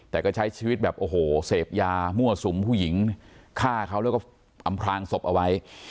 แต่ก็ใช้ชีวิตแบบโอ้โหเสพยามั่วสุมผู้หญิงฆ่าเขาแล้วก็อำพลางศพเอาไว้